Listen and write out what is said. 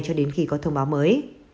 cho đến khi có thông báo mới